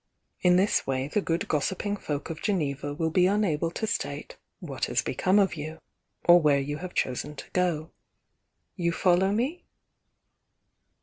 In this way the good gossip ing folk of Geneva will be unable to state what has become of you, or where you have chosen to go. You follow me?'